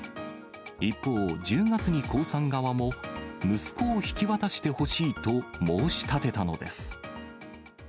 一方、１０月に江さん側も、息子を引き渡してほしいと申し立てたのです。